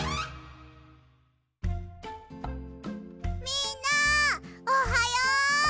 みんなおはよう！